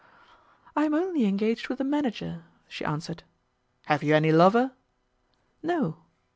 "I am only engaged with the manager," she answered. "Have you any lover?" "No."